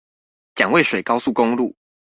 蔣渭水高速公路